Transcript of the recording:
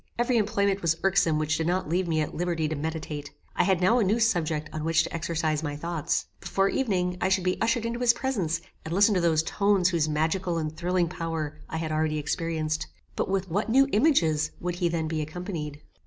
Every employment was irksome which did not leave me at liberty to meditate. I had now a new subject on which to exercise my thoughts. Before evening I should be ushered into his presence, and listen to those tones whose magical and thrilling power I had already experienced. But with what new images would he then be accompanied?